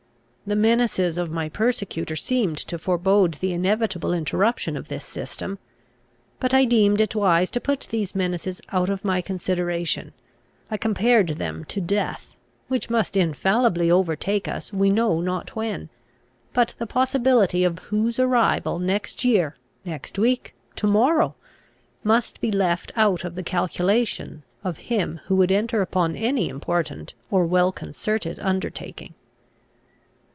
The menaces of my persecutor seemed to forebode the inevitable interruption of this system. But I deemed it wise to put these menaces out of my consideration I compared them to death, which must infallibly overtake us we know not when; but the possibility of whose arrival next year, next week, to morrow, must be left out of the calculation of him who would enter upon any important or well concerted undertaking.